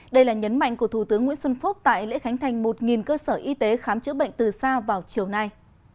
đây là nhấn mạnh của thủ tướng nguyễn xuân phúc tại lễ khánh thành một cơ sở y tế khám chữa bệnh từ xa vào chiều nay